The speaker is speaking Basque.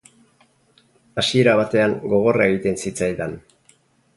Hasiera batean gogorra egiten zitzaidan.